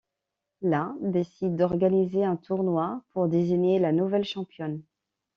La décide d'organiser un tournoi pour désigner la nouvelle championne.